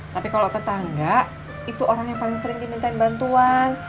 tapi kalau tetangga itu orang yang paling sering dimintain bantuan